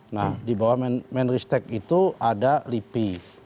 nah di bawah menristek itu ada lipi